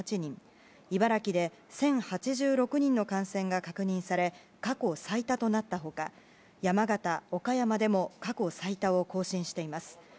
茨城で１０８６人の感染が確認され、過去最多となった他山形、岡山でも過去最多を更新しています。